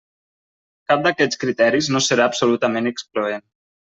Cap d'aquests criteris no serà absolutament excloent.